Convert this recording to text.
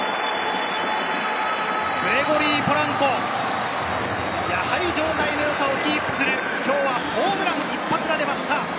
グレゴリー・ポランコ、やはり状態のよさをキープする今日はホームラン、一発が出ました！